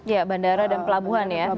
ya bandara dan pelabuhan ya